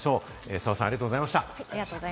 澤さん、ありがとうございました。